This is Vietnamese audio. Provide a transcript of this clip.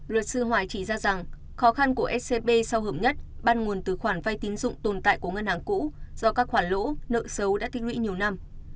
luật sư hoài chỉ ra rằng khó khăn của scb sau hưởng nhất ban nguồn từ khoản vay tín dụng tồn tại của ngân hàng cũ do các khoản lỗ nợ xấu đã thiết lũy nhiều năm